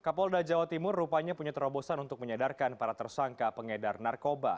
kapolda jawa timur rupanya punya terobosan untuk menyadarkan para tersangka pengedar narkoba